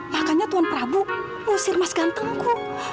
makanya tuhan prabu ngusir mas gantengku